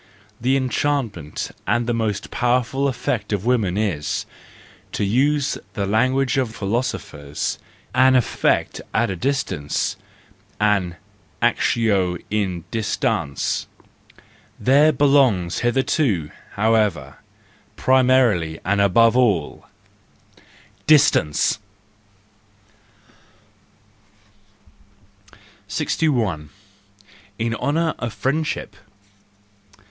The enchantment and the most powerful effect of women is, to use the language of philosophers, an effect at a distance, an actio in distans; there belongs thereto, however, primarily and above aU, —distance / IOO THE JOYFUL WISDOM, II 6l. In Honour of Friendship